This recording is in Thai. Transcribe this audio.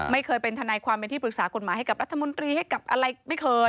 ไม่เคยเป็นทนายความเป็นที่ปรึกษากฎหมายให้กับรัฐมนตรีให้กับอะไรไม่เคย